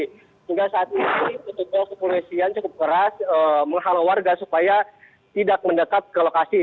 sehingga saat ini kondisi sekolah keres menghalau warga supaya tidak mendekat ke lokasi